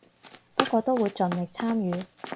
不過都會盡力參與